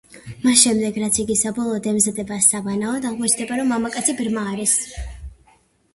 მას შემდეგ, რაც იგი საბოლოოდ ემზადება საბანაოდ, აღმოჩნდება, რომ მამაკაცი ბრმა არის.